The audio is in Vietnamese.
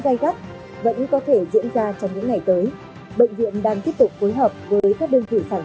gai gắt vẫn có thể diễn ra trong những ngày tới bệnh viện đang tiếp tục phối hợp với các đơn vị sản